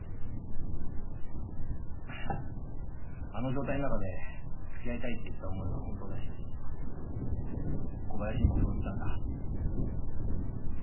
あの状態の中でつきあいたいって言った思いは本当だし小林にもそう言ったんだ。